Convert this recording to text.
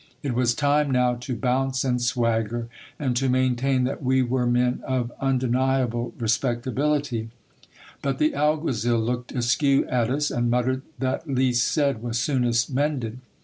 It was time now to bounce and swagger, and to maintain that we were men of undeniable respectability ; but the alguazil looked askew at us, and muttered that least said was soonest mended.